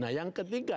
nah yang ketiga